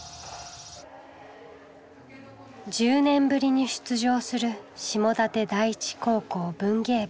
１０年ぶりに出場する下館第一高校文芸部。